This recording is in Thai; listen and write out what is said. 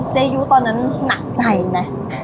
ยุตอนนั้นหนักใจไหม